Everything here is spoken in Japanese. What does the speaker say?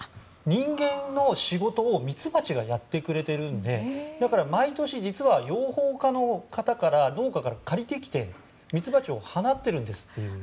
人間の仕事をミツバチがやってくれているのでだから毎年、養蜂家の方から農家が借りてきてミツバチを放っているんですと。